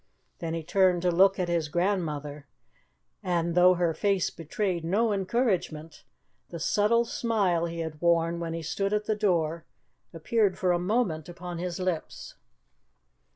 Then he turned to look at his grandmother, and, though her face betrayed no encouragement, the subtle smile he had worn when he stood at the door appeared for a moment upon his lips.